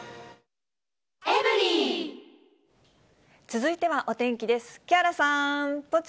続いてはお天気です。